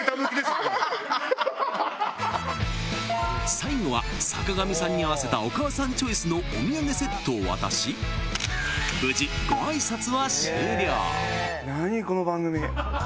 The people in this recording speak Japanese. ［最後は坂上さんに合わせたお母さんチョイスのお土産セットを渡し無事ご挨拶は終了］